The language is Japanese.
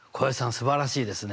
すばらしいですね！